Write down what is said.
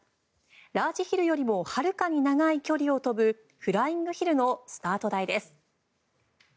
ラージヒルよりもはるかに長い距離を飛ぶフライングヒルのスタート台です。